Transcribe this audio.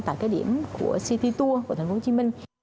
tại cái điểm của city tour của thành phố hồ chí minh